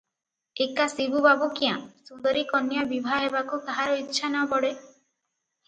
ଏକା ଶିବୁ ବାବୁ କ୍ୟାଁ, ସୁନ୍ଦରୀ କନ୍ୟା ବିଭା ହେବାକୁ କାହାର ଇଚ୍ଛା ନ ବଳେ?